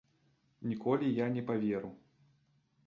Ніколі я не паверу.